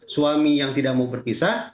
suami yang tidak mau berpisah